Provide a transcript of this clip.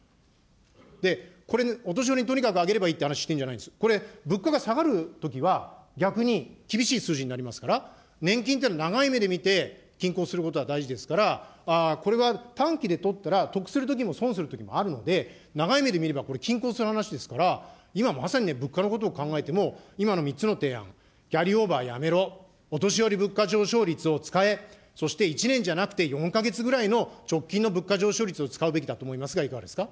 で、これ、お年寄りにとにかくあげればいいという話してるんじゃないですよ、これ、物価が下がるときは逆に厳しい数字になりますから、年金というのは長い目で見て均衡することが大事ですから、これが短期でとったら得するときも損するときもあるので、長い目で見れば、これ、均衡する話ですから、今まさに物価のことを考えても、今の３つの提案、キャリーオーバーやめろ、お年寄り物価上昇率を使え、そして１年じゃなくて４か月ぐらいの直近の物価上昇率を使うべきだと思いますが、いかがですか。